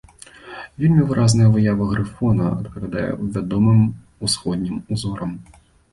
Вельмі выразная выява грыфона адпавядае вядомым усходнім узорам.